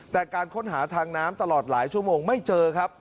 แต่การค้นหาทางน้ำตลอดหลายชั่วโมงไม่เจอครับ